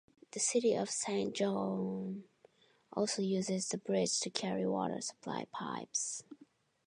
The City of Saint John also uses the bridge to carry water supply pipes.